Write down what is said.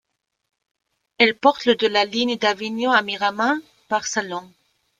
Elle porte le de la ligne d'Avignon à Miramas, par Salon.